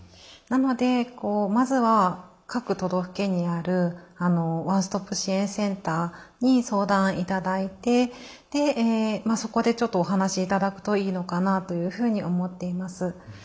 なのでまずは各都道府県にあるワンストップ支援センターに相談頂いてそこでちょっとお話し頂くといいのかなというふうに思っています。